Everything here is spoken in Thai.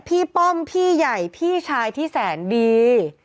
ป้อมพี่ใหญ่พี่ชายที่แสนดี